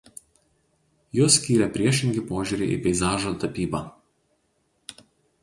Juos skyrė priešingi požiūriai į peizažo tapybą.